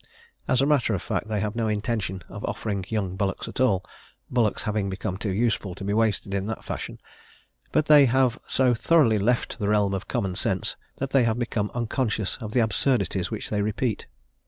As a matter of fact, they have no intention of offering young bullocks at all bullocks having become too useful to be wasted in that fashion, but they have so thoroughly left the realm of common sense that they have become unconscious of the absurdities which they repeat.